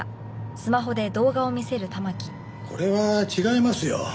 これは違いますよ。